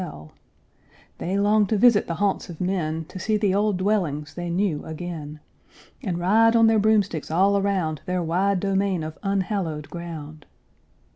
They long to visit the haunts of men, To see the old dwellings they knew again, And ride on their broomsticks all around Their wide domain of unhallowed ground.